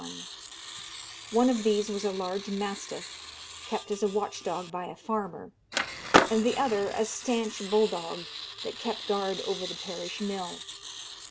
One of these was a large mastiff, kept as a watch dog by a farmer, and the other a stanch bull dog, that kept guard over the parish mill.